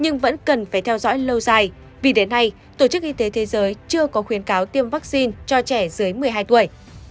nhưng vẫn cần phải theo dõi lâu dài vì đến nay tổ chức y tế thế giới chưa có khuyến cáo tiêm vaccine cho trẻ dưới một mươi hai tuổi